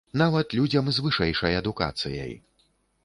Нават людзям з вышэйшай адукацыяй.